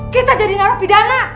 kita jadi naruh pidana